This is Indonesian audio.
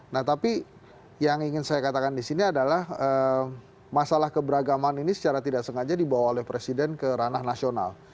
nah tapi yang ingin saya katakan di sini adalah masalah keberagaman ini secara tidak sengaja dibawa oleh presiden ke ranah nasional